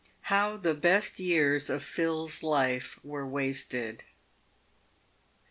HOW THE BEST YEARS OF PHIL'S LIFE WERE WASTED.